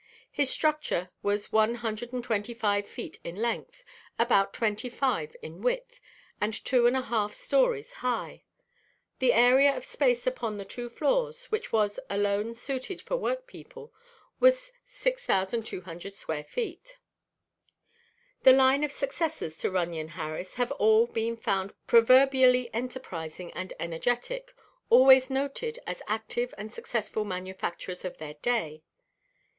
His structure was one hundred and twenty five feet in length, about twenty five in width, and two and a half stories high; the area of space upon the two floors, which was alone suited for work people, was 6200 square feet. The line of successors to Runyon Harris have all been found proverbially enterprising and energetic, always noted as active and successful manufacturers of their day.